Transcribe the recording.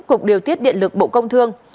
cục điều tiết điện lực bộ công thương